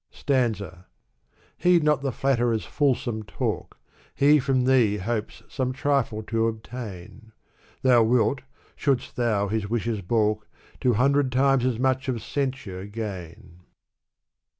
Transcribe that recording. Sfanza. Heed not the flatterer's fulsome talk, He from thee hopes some trifle to obtain ; Thou wilt, shouldst thou his wishes balk, Two hundred times as much of censure gain.